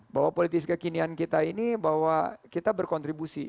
bahwa politis kekinian kita ini bahwa kita berkontribusi